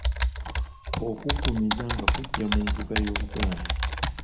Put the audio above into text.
Okuggumiza nga kujja mu nvuga y’Oluganda.